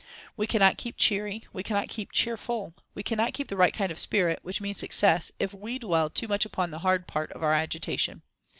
We cannot keep cheery, we cannot keep cheerful, we cannot keep the right kind of spirit, which means success, if we dwell too much upon the hard part of our agitation.